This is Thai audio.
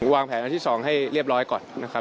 วางแผนอันที่๒ให้เรียบร้อยก่อนนะครับ